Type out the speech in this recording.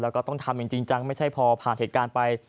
แล้วก็ต้องทำอย่างจริงจังไม่ใช่พอผ่านเหตุการณ์ไป